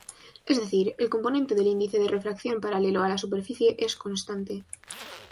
Es decir, el componente del índice de refracción paralelo a la superficie es constante.